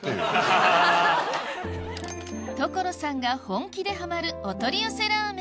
所さんが本気でハマるお取り寄せラーメン